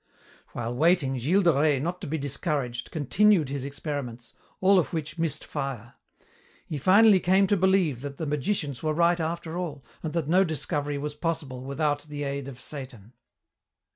While waiting, Gilles de Rais, not to be discouraged, continued his experiments, all of which missed fire. He finally came to believe that the magicians were right after all, and that no discovery was possible without the aid of Satan.